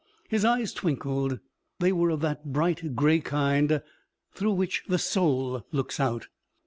His eyes twinkled; they were of that bright gray kind through which the soul looks out.